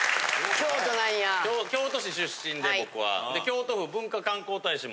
京都市出身で僕は。